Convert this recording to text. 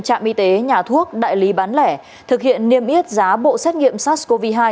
trạm y tế nhà thuốc đại lý bán lẻ thực hiện niêm yết giá bộ xét nghiệm sars cov hai